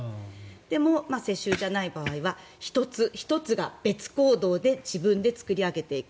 でも世襲じゃない場合は１つ１つが別行動で自分で作り上げていく。